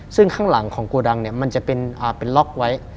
ซึ่งข้างหลังของโกดังมันจะเป็นล็อกไว้